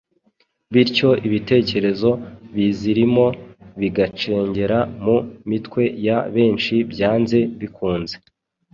Bityo ibitekerezo bizirimo bigacengera mu mitwe ya benshi byanze bikunze.